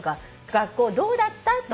「学校どうだった？」とか。